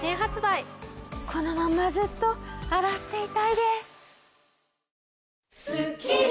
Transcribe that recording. このままずっと洗っていたいです。